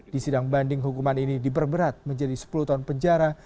di sidang banding hukuman ini diperberat menjadi sepuluh tahun penjara